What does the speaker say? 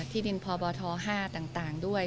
ที่ดินพบท๕ต่างด้วย